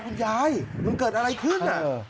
คุณยายมันเกิดอะไรขึ้น